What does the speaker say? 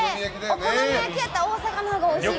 お好み焼きやったら大阪のほうがおいしいで。